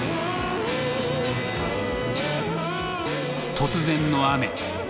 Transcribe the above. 突然の雨。